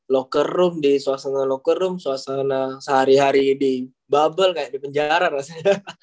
loker room di suasana loker room suasana sehari hari di bubble kayak di penjara rasanya